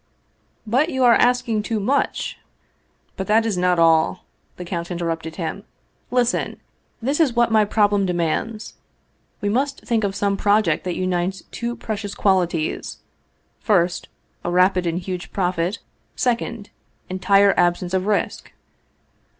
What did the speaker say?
" But you are asking too much." " But that is not all," the count interrupted him ;" lis ten! This is what my problem demands. We must think of some project that unites two precious qualities: first, a rapid and huge profit; second, entire absence of risk."